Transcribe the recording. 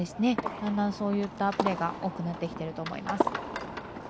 だんだんそういったプレー多くなってきていると思います。